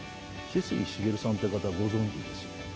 酒々井茂さんって方ご存じですよね。